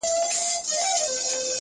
سپورټ د بدن ځواک زیاتوي